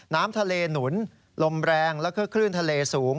น้ำทะเลหนุนลมแรงแล้วก็คลื่นทะเลสูง